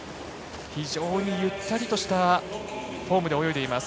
非常にゆったりとしたフォームで泳いでいます。